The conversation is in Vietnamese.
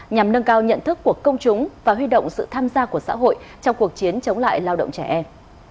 nhằm nâng cao nhận thức của công chúng và huy động sự tham gia của xã hội trong cuộc chiến chống lại lao động trẻ em